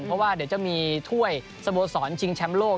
เพราะว่าเดี๋ยวจะมีถ้วยสโมสรชิงแชมป์โลก